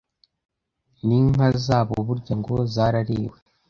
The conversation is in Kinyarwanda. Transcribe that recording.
n’inka zabo burya ngo zarariwe